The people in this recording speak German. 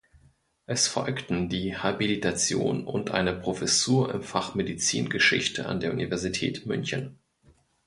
Es folgten die Habilitation und eine Professur im Fach Medizingeschichte an der Universität München.